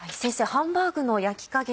ハンバーグの焼き加減